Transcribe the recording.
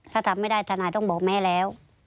ถ้าทำไม่ได้ทนายต้องบอกแม่แล้ว